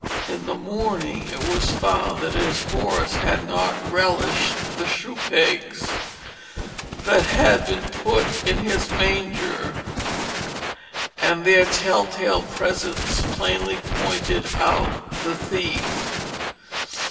In the morning it was found that his horse had not relished the shoe pegs that had been put in his manger; and their telltale presence plainly pointed out the thief.